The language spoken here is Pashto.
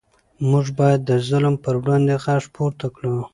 موږ باید د ظلم پر وړاندې غږ پورته کړو.